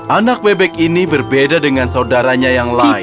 anak bebek ini berbeda dengan saudaranya yang lain